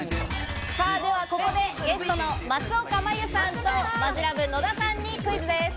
ではここで、ゲストの松岡茉優さんとマヂラブ・野田さんにクイズです。